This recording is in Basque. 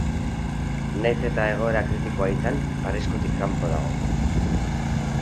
Nahiz eta egoera kritikoa izan, arriskutik kanpo dago.